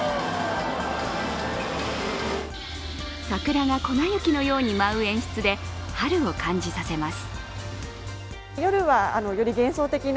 桜が粉雪のように舞う演出で、春を感じさせます。